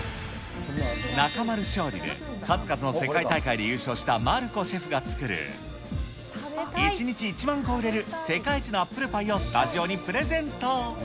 中丸勝利で、数々の世界大会で優勝したマルコシェフが作る、１日１万個売れる世界一のアップルパイをスタジオにプレゼント。